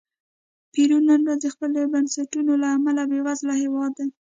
پیرو نن ورځ د خپلو بنسټونو له امله بېوزله هېواد دی.